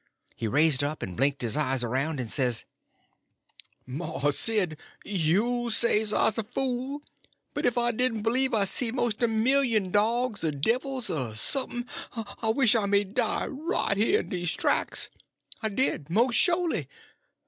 He raised up, and blinked his eyes around, and says: "Mars Sid, you'll say I's a fool, but if I didn't b'lieve I see most a million dogs, er devils, er some'n, I wisht I may die right heah in dese tracks. I did, mos' sholy.